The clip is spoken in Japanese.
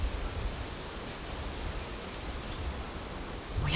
おや？